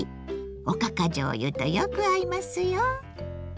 おかかじょうゆとよく合いますよ。